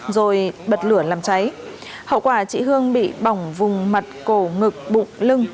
rồi bật lửa làm cháy hậu quả chị hương bị bỏng vùng mặt cổ ngực bụng lưng